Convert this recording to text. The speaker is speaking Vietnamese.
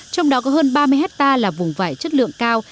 trong đó có hơn ba mươi hectare là vùng vải chất lượng cao